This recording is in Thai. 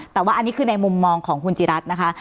แต่ว่าอันนี้คือในมุมมองของคุณจิรัตน์นะคะ